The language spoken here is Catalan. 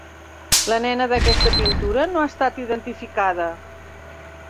La nena d'aquesta pintura no ha estat identificada.